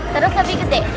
seru lebih gede